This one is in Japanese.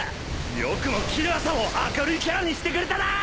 よくもキラーさんを明るいキャラにしてくれたな！